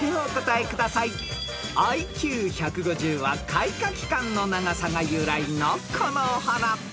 ［ＩＱ１５０は開花期間の長さが由来のこのお花］